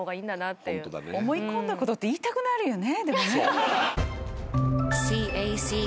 思い込んだことって言いたくなるよね。